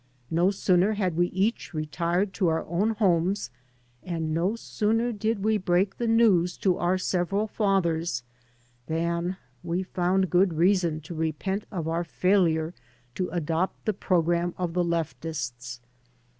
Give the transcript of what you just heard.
No sooner had we each retired to our own homes, and no sooner did we break the news to our several fathers, than we found good reason to repent of our failure to adopt the program of the leftists.